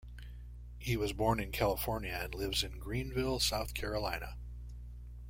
He was born in California, and lives in Greenville, South Carolina.